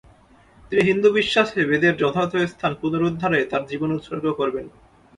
তিনি হিন্দু বিশ্বাসে বেদের যথাযথ স্থান পুনরুদ্ধারে তার জীবন উৎসর্গ করবেন।